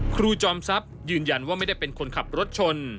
จอมทรัพย์ยืนยันว่าไม่ได้เป็นคนขับรถชน